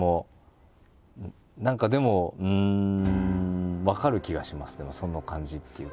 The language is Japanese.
何かでもうん分かる気がしますでもその感じっていうか。